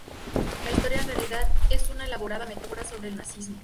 La historia en realidad es una elaborada metáfora sobre el nazismo.